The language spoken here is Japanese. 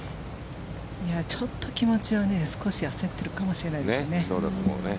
ちょっと気持ちは焦ってるかもしれないですね。